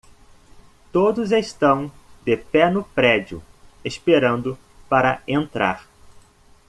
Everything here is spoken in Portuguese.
Todos estão de pé no prédio? esperando para entrar.